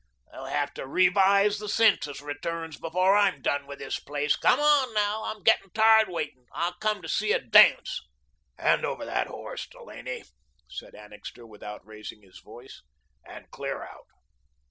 They'll have to revise the census returns before I'm done with this place. Come on, now, I'm getting tired waiting. I come to see a dance." "Hand over that horse, Delaney," said Annixter, without raising his voice, "and clear out."